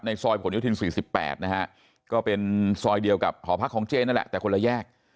ซอยผลโยธิน๔๘นะฮะก็เป็นซอยเดียวกับหอพักของเจนนั่นแหละแต่คนละแยก